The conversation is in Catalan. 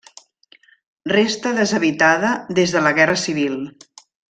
Resta deshabitada des de la Guerra Civil.